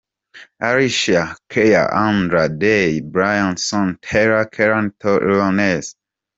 Alessia Cara Andra Day Bryson Tiller Kehlani Tory Lanez.